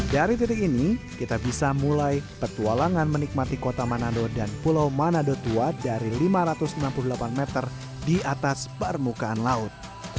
dari titik ini kita bisa mulai petualangan menikmati kota manado dan pulau manado tua dari lima ratus enam puluh delapan meter di atas permukaan laut